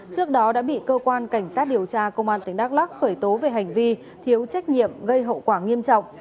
trước đó đã bị cơ quan cảnh sát điều tra công an tỉnh đắk lắc khởi tố về hành vi thiếu trách nhiệm gây hậu quả nghiêm trọng